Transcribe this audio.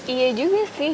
iya juga sih